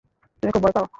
তুমি খুব ভয় পাও।